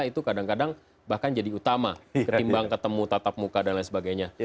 itu kadang kadang bahkan jadi utama ketimbang ketemu tatap muka dan lain sebagainya